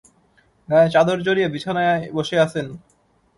গায়ে চাদর জড়িয়ে বিছানায় বসে আছেন।